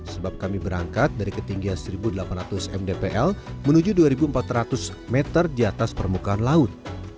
sebab kami berangkat dari ketinggian satu delapan ratus mdpl menuju dua empat ratus meter di atas permukaan laut